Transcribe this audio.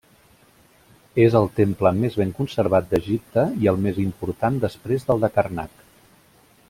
És el temple més ben conservat d'Egipte i el més important després del de Karnak.